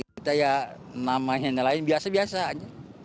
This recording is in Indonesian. kita ya namanya yang lain biasa biasa aja